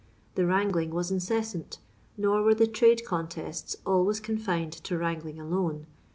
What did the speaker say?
The wrangling was incessant, nor were the trade contests always confined to wrangling alone.